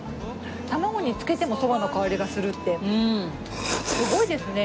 卵につけてもそばの香りがするってすごいですね。